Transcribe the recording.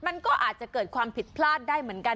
มันก็อาจจะเกิดความผิดพลาดได้เหมือนกัน